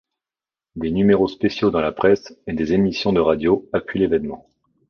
Des numéros spéciaux dans la presse et des émissions de radio appuient l'événement.